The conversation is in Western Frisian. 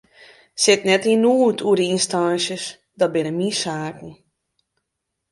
Sit net yn noed oer de ynstânsjes, dat binne myn saken.